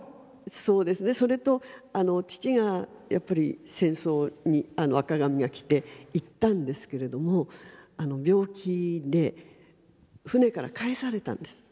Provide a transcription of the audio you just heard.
そうですねそれと父がやっぱり戦争に赤紙が来て行ったんですけれども病気で船から帰されたんです。